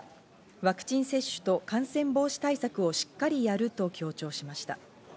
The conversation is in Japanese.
ワクチン接種と感染防止対策をしっかりやると強調しました。